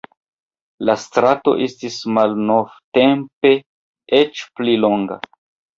La strato estis malnovtempe eĉ pli longa.